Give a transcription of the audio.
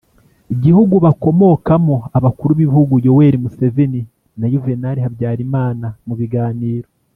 gihugu bakomokamo, abakuru b'ibihugu yoweri museveni na yuvenali habyarimana mu biganiro